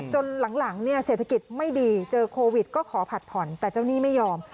หลังเนี่ยเศรษฐกิจไม่ดีเจอโควิดก็ขอผัดผ่อนแต่เจ้าหนี้ไม่ยอม